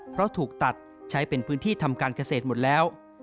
เพราะถูกตัดใช้เป็นพื้นที่ทำการเกษตรหมดแล้ว